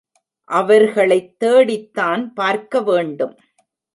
அவர்களைத் தேடித்தான் பார்க்க வேண்டும்.